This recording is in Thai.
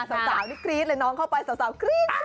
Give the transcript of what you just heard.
สาวนี่กรี๊ดเลยน้องเข้าไปสาวกรี๊ด